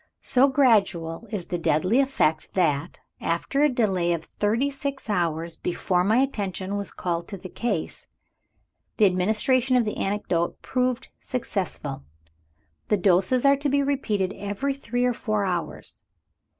So gradual is the deadly effect that, after a delay of thirty six hours before my attention was called to the case, the administration of the antidote proved successful. The doses are to be repeated every three or four hours.